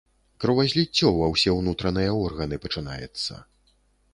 Кровазліццё ва ўсе ўнутраныя органы пачынаецца.